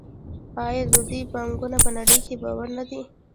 آیا د دوی بانکونه په نړۍ کې باوري نه دي؟